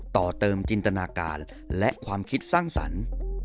ต่อเติมจินตนาการและความคิดสร้างสรรค์